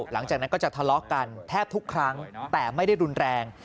หลังจากนั้นก็จะทะเลาะกันแทบทุกครั้งแต่ไม่ได้รุนแรง